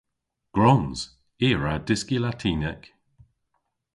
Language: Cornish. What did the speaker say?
Gwrons! I a wra dyski Latinek.